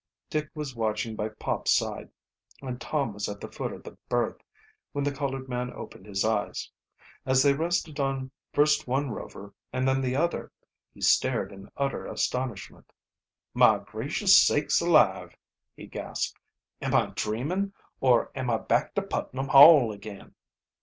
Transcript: Dick was watching by Pop's side, and Tom was at the foot of the berth, when the colored man opened his eyes. As they rested on first one Rover and then the other he stared in utter astonishment. "My gracious sakes alive!" he gasped. "Am I dreamin', or am I back to Putnam Hall again?"